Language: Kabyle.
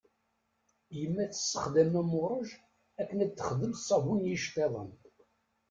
Yemma tsexdam amuṛej akken ad texdem ṣṣabun n yiceṭṭiḍen.